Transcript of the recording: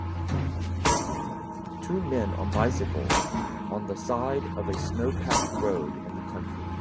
two men on bicycles on the side of a snowpacked road in the country